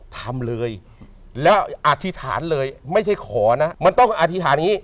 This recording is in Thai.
ทำเลยแล้วอธิษฐานเลยไม่ใช่ขอนะมันต้องอธิษฐานอย่างนี้